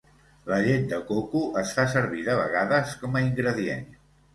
La llet de coco es fa servir de vegades com a ingredient.